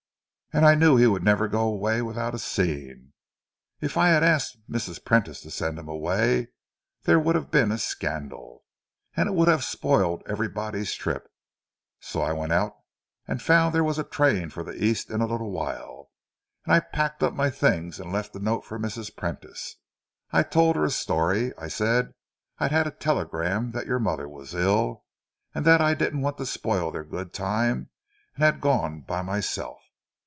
And I knew he would never go away without a scene. If I had asked Mrs. Prentice to send him away, there would have been a scandal, and it would have spoiled everybody's trip. So I went out, and found there was a train for the East in a little while, and I packed up my things, and left a note for Mrs. Prentice. I told her a story—I said I'd had a telegram that your mother was ill, and that I didn't want to spoil their good time, and had gone by myself.